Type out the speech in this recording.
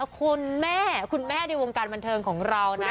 คุณแม่คุณแม่ในวงการบันเทิงของเรานะ